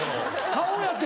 顔やて。